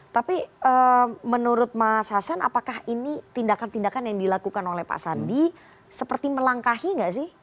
tapi menurut mas hasan apakah ini tindakan tindakan yang dilakukan oleh pak sandi seperti melangkahi nggak sih